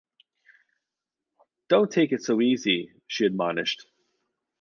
"Don't take it so easy," she admonished.